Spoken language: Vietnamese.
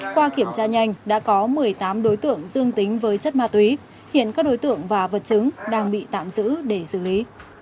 qua kiểm tra nhanh đã có một mươi tám đối tượng dương tính với chất ma túy hiện các đối tượng và vật chứng đang bị tạm giữ để xử lý